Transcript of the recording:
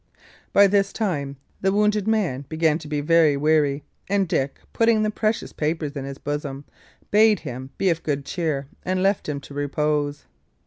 By this time the wounded man began to be very weary; and Dick, putting the precious papers in his bosom, bade him be of good cheer, and left him to repose.